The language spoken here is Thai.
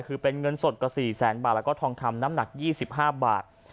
คือเป็นเงินสดกว่า๔แสนบาทแล้วก็ทองคำน้ำหนัก๒๕บาท